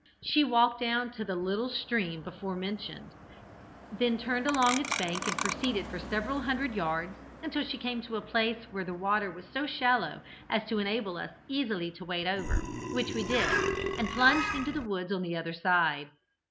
She walked down to the little stream before mentioned, then turned along its bank and proceeded for several hundred yards until she came to a place where the water was so shallow as to enable us easily to wade over, which we did, and plunged into the woods on the other side.